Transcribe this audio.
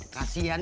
kasian ya mas pur